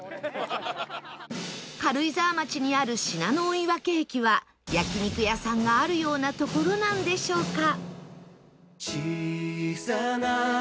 軽井沢町にある信濃追分駅は焼肉屋さんがあるような所なんでしょうか？